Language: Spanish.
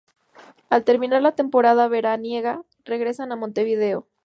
Al terminar la temporada veraniega regresan a Montevideo.